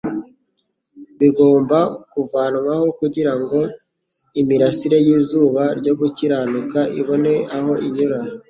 bigomba kuvanwaho kugira ngo imirasire y'izuba ryo gukiranuka ibone aho inyura.